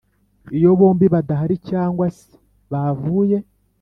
Iyo bombi badahari cyangwa se bavuye